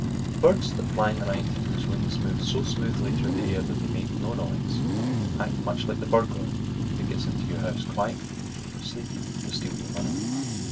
Birds that fly in the night and whose wings move so smoothly through the air that they make no noise act much like the burglar that gets into your house quietly when you are asleep to steal your money.